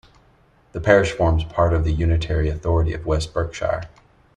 The parish forms part of the unitary authority of West Berkshire.